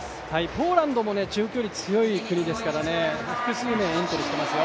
ポーランドも中距離強い国ですから複数エントリーしていますよ。